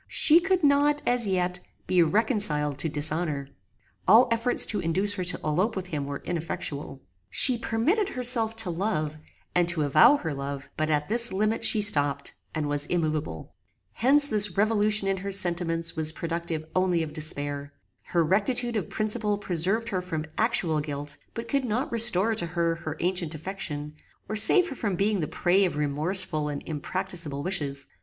She could not, as yet, be reconciled to dishonor. All efforts to induce her to elope with him were ineffectual. She permitted herself to love, and to avow her love; but at this limit she stopped, and was immoveable. Hence this revolution in her sentiments was productive only of despair. Her rectitude of principle preserved her from actual guilt, but could not restore to her her ancient affection, or save her from being the prey of remorseful and impracticable wishes.